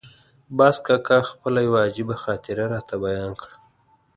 باز کاکا خپله یوه عجیبه خاطره راته بیان کړه.